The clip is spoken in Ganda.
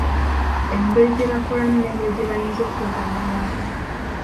Engeri gye bakolamu n'engeri gye bayinza okubaganyulwamu.